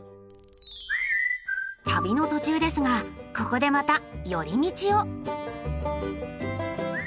旅の途中ですがここでまたより道を。